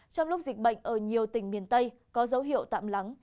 trong lúc dịch bệnh ở nhiều tỉnh miền tây có dấu hiệu tạm lắng